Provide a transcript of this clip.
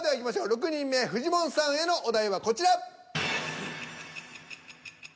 ６人目藤本さんへのお題はこちら。